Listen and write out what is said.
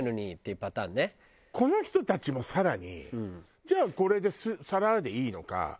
この人たちも更にじゃあこれでサラッでいいのか